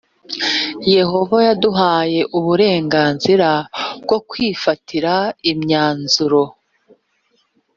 yehova yaduhaye uburenganzira bwo kwifatira imyanzuro